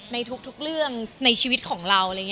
ในทุกเรื่องในชีวิตของเรา